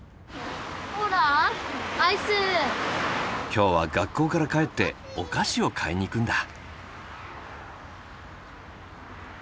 今日は学校から帰ってお菓子を買いに行くんだ。